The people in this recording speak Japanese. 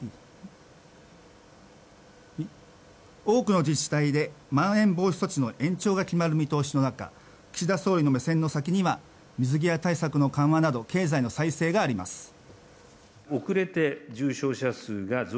多くの自治体でまん延防止措置の延長が決まる見通しの中岸田総理の目線の先には水際対策の緩和など経済の再生があります。